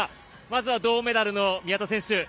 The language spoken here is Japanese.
まずは銅メダルの宮田選手。